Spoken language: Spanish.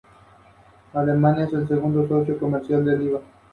Show" y "Where the Action Is".